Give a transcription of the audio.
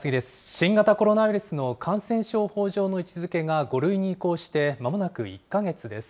新型コロナウイルスの感染症法上の位置づけが５類に移行してまもなく１か月です。